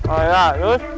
oh iya terus